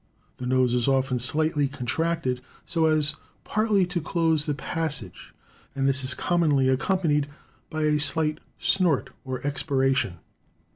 The nose is often slightly contracted, so as partly to close the passage; and this is commonly accompanied by a slight snort or expiration.